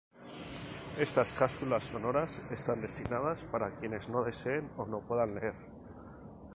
Estas cápsula sonoras están destinadas para quienes no deseen o no puedan leer.